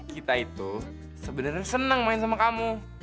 kita itu sebenarnya senang main sama kamu